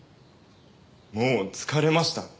もう疲れました。